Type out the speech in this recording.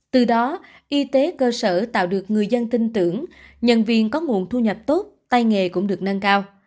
từ đó y tế cơ sở tạo được người dân tin tưởng nhân viên có nguồn thu nhập tốt tay nghề cũng được nâng cao